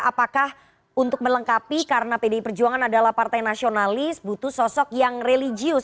apakah untuk melengkapi karena pdi perjuangan adalah partai nasionalis butuh sosok yang religius